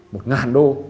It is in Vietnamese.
một ngàn đô